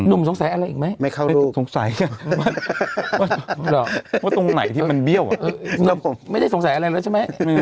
สงสัยอะไรอีกไหมสงสัยว่าตรงไหนที่มันเบี้ยวไม่ได้สงสัยอะไรแล้วใช่ไหม